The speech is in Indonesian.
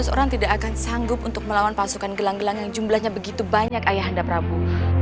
dua belas orang tidak akan sanggup untuk melawan pasukan gelang gelang yang jumlahnya begitu banyak ayah anda prabu